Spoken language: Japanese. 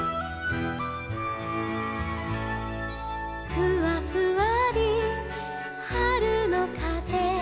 「ふわふわりはるのかぜ」